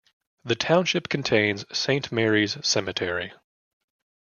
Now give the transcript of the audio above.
The township contains Saint Marys Cemetery.